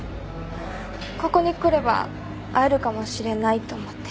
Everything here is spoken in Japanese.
ここに来れば会えるかもしれないと思って。